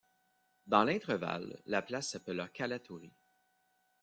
Dans l'intrevalle la place s'appela Kalatori.